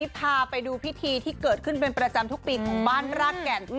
พาไปดูพิธีที่เกิดขึ้นเป็นประจำทุกปีของบ้านรากแก่น